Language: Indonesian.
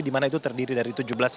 dimana itu terdiri dari tujuh belas